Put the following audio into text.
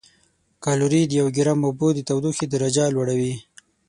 کالوري د یو ګرام اوبو د تودوخې درجه لوړوي.